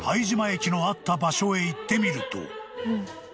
駅のあった場所へ行ってみると］